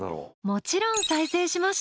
もちろん再生しました！